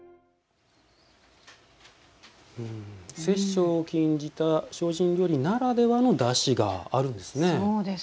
殺生を禁じた精進料理ならではのだしがあるんですね。